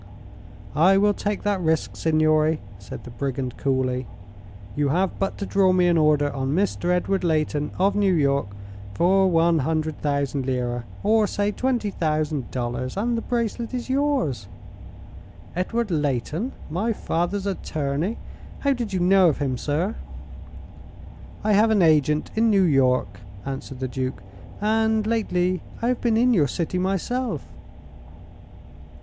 "I will take that risk, signore," said the brigand, coolly. "You have but to draw me an order on Mr. Edward Leighton, of New York, for one hundred thousand lira or say twenty thousand dollars and the bracelet is yours." "Edward Leighton! My father's attorney! How did you know of him, sir?" "I have an agent in New York," answered the Duke, "and lately I have been in your city myself."